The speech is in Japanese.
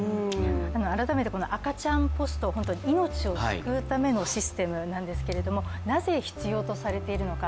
改めて赤ちゃんポスト、命を救うためのシステムなんですけれども、なぜ必要とされているのか